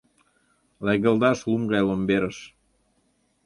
Легылдаш лум гай ломберыш